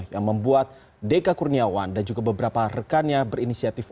yang membuat deka kurniawan dan juga beberapa rekannya berinisiatif